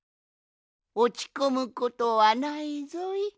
おちこむことはないぞい。